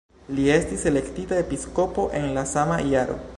Li estis elektita episkopo en la sama jaro.